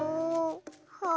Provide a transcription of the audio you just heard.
はあ。